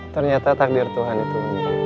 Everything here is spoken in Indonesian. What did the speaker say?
ternyata takdir tuhan itu